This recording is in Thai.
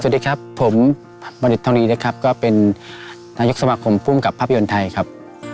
สวัสดีครับผมบริษทองนีนะครับก็เป็นนายกสมาคมภูมิกับภาพยนตร์ไทยครับ